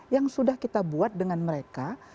yang sudah kita buat dengan mereka